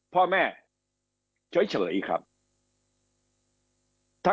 พ่อแม่เฉยครับ